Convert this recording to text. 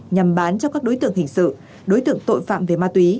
nhằm bán cho các đối tượng hình sự đối tượng tội phạm về ma túy